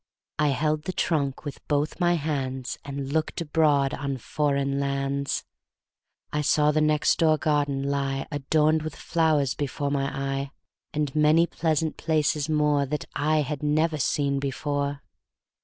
I held the trunk with both my handsAnd looked abroad on foreign lands.I saw the next door garden lie, Adorned with flowers, before my eye, And many pleasant places moreThat I had never seen before.